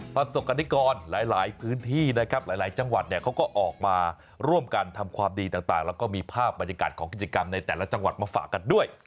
ประสบกรณิกรหลายพื้นที่นะครับหลายจังหวัดเนี่ยเขาก็ออกมาร่วมกันทำความดีต่างแล้วก็มีภาพบรรยากาศของกิจกรรมในแต่ละจังหวัดมาฝากกันด้วย